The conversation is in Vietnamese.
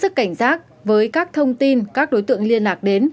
sức cảnh giác với các thông tin các đối tượng liên lạc đến